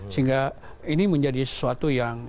sehingga ini menjadi sesuatu yang